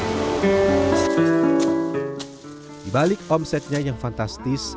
di balik omsetnya yang fantastis